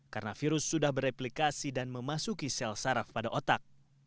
karena virus sudah bereplikasi dan memasuki sel saraf pada otak